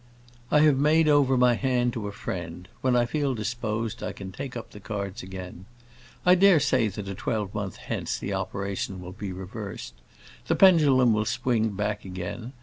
"I have made over my hand to a friend; when I feel disposed, I can take up the cards again. I dare say that a twelvemonth hence the operation will be reversed. The pendulum will swing back again.